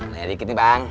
nanya dikit nih bang